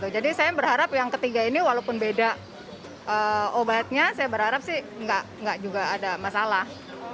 jadi saya berharap yang ketiga ini walaupun beda obatnya saya berharap sih enggak juga ada masalah